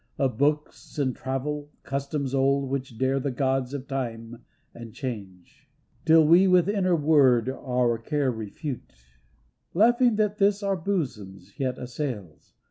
Of books, and travel, customs old which dare The gods of Time and Change. Till we with inner word our care refute Laughing that this our bosoms yet assails.